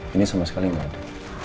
ini sama sekali nggak ada